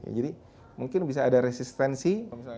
jadi mungkin bisa ada resistensi